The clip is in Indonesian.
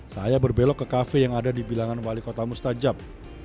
saya berbelok ke kafe yang ada di bilangan wali kota mustajab